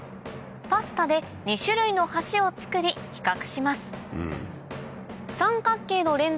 パスタで２種類の橋を作り比較します